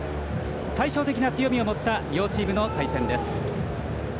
対照的な強みを持った両チームの対戦です。